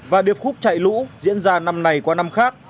và điệp khúc chạy lũ diễn ra năm này qua năm khác